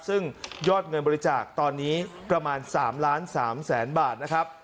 ซึ่งยอดเงินบริจาคตอนนี้ประมาณ๓ล้าน๓แสนบาทนะครับ